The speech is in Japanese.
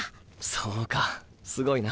そうかすごいな。